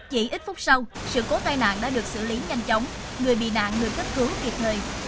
chỉ ít phút sau sự cố tai nạn đã được xử lý nhanh chóng người bị nạn được cấp cứu kịp thời